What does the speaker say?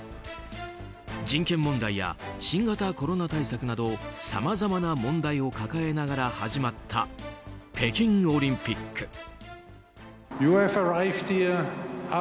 人権問題や新型コロナ対策などさまざまな問題を抱えながら始まった北京オリンピック。